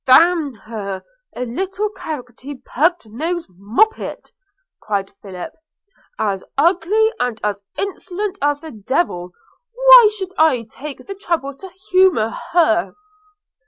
'D n her, a little carroty, pug nosed moppet!' cried Philip, 'as ugly and as insolent as the devil – why should I take the trouble to humour her?'